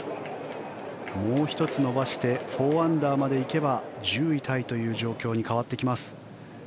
もう１つ伸ばして４アンダーまで行けば１０位タイという状況に変わってきます。